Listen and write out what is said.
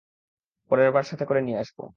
পরেরবার সাথে করে নিয়ে আসবো।